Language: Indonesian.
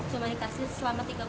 cuma dikasih selama